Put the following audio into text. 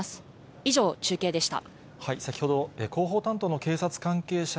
以上、中継でした。